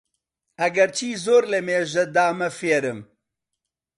ئەگەرچی زۆر لەمێژە دامە فێرم